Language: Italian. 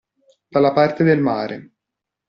Dalla parte del mare.